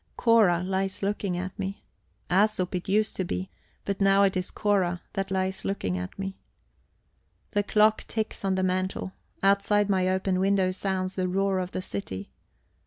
Cora lies looking at me. Æsop, it used to be, but now it is Cora that lies looking at me. The clock ticks on the mantel; outside my open window sounds the roar of the city.